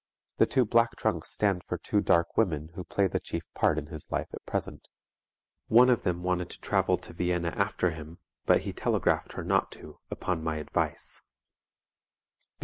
The two black trunks stand for two dark women who play the chief part in his life at present. One of them wanted to travel to Vienna after him, but he telegraphed her not to, upon my advice.